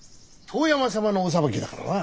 遠山様のお裁きだからな。